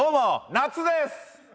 夏です！